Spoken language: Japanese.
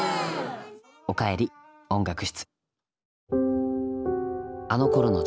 「おかえり音楽室」。